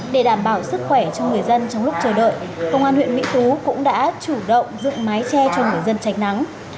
để đảm bảo sức khỏe cho người dân trong lúc chờ đợi công an huyện mỹ tú cũng đã chủ động dựng mái tre cho người dân tránh nắng